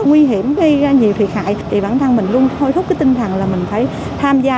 nguy hiểm gây ra nhiều thiệt hại thì bản thân mình luôn thôi thúc cái tinh thần là mình phải tham gia